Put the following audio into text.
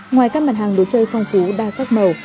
ngoài các mặt hàng đồ chơi phong phú đa sắc màu